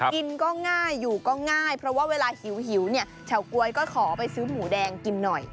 กินก็ง่ายอยู่ก็ง่ายเพราะว่าเวลาหิวเนี่ยเฉาก๊วยก็ขอไปซื้อหมูแดงกินหน่อย